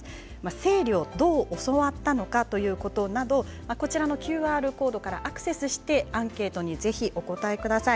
生理を、どう教わったのかということなどこちらのＱＲコードからアクセスしてアンケートにぜひお答えください。